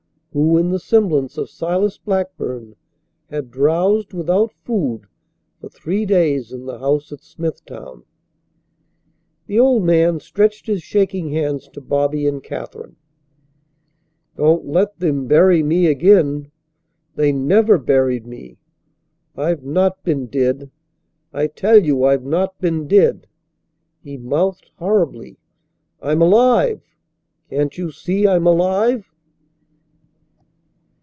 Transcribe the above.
Who, in the semblance of Silas Blackburn, had drowsed without food for three days in the house at Smithtown? The old man stretched his shaking hands to Bobby and Katherine. "Don't let them bury me again. They never buried me. I've not been dead! I tell you I've not been dead!" He mouthed horribly. "I'm alive! Can't you see I'm alive?"